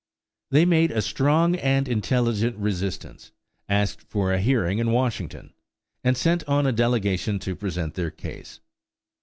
They made a strong and intelligent resistance, asked for a hearing in Washington and sent on a delegation to present their case.